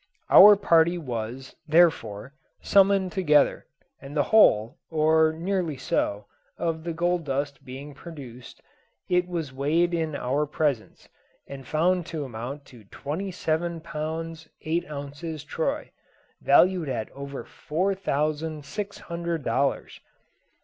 Our party was, therefore, summoned together, and the whole, or nearly so, of the gold dust being produced, it was weighed in our presence, and found to amount to twenty seven pounds eight ounces troy valued at over four thousand six hundred dollars.